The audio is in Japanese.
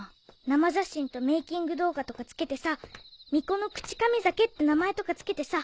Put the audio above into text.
生写真とメイキング動画とか付けてさ「巫女の口噛み酒」って名前とか付けてさ。